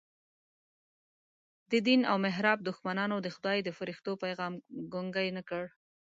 د دین او محراب دښمنانو د خدای د فرښتو پیغام ګونګی نه کړ.